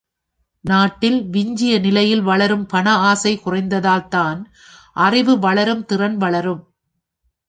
நாட்டில் விஞ்சிய நிலையில் வளரும் பண ஆசை குறைந்தால்தான் அறிவு வளரும் திறன் வளரும்.